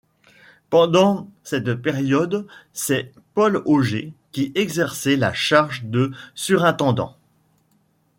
Pendant cette période c’est Paul Auget qui exerçait la charge de surintendant.